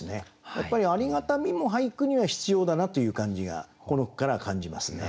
やっぱりありがたみも俳句には必要だなという感じがこの句から感じますね。